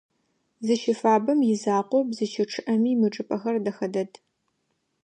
Зыщыфабэм изакъоп, зыщычъыӏэми мы чӏыпӏэр дэхэ дэд.